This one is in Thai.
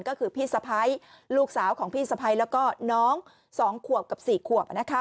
ก็คือพี่สะพ้ายลูกสาวของพี่สะพ้ายแล้วก็น้อง๒ขวบกับ๔ขวบ